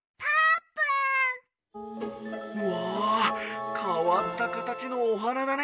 「わあかわったかたちのおはなだね」。